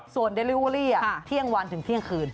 ส่วนเดลิเวอรี่เที่ยงวันถึงเที่ยงคืน